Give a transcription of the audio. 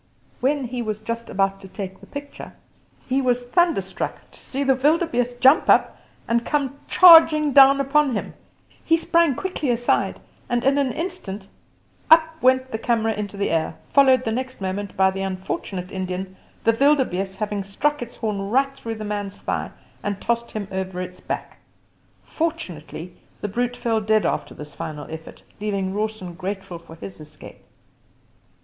When he was just about to take the picture, he was thunderstruck to see the wildebeeste jump up and come charging down upon him. He sprang quickly aside, and in an instant up went the camera into the air, followed the next moment by the unfortunate Indian, the wildebeeste having stuck its horn right through the man's thigh and tossed him over its back. Fortunately the brute fell dead after this final effort, leaving Rawson grateful for his escape.